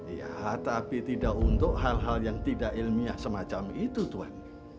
iya tapi tidak untuk hal hal yang tidak ilmiah semacam itu tuhan